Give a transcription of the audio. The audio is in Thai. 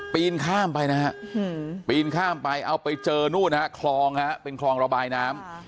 ปีนข้ามไปนะฮะปีนข้ามไปเอาไปเจอนู่นฮะคลองฮะเป็นคลองระบายน้ำ